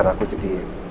bisa gak aku jadi